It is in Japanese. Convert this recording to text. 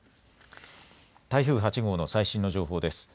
台風８号の最新の情報です。